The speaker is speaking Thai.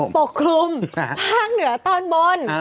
ปกคลุมภาคเหนือตอนบน